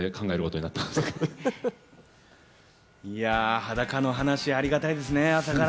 裸の話ありがたいですね、朝から。